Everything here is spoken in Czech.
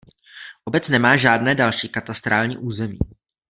Obec nemá žádné další katastrální území.